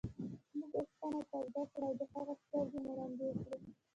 موږ اوسپنه توده کړه او د هغه سترګې مو ړندې کړې.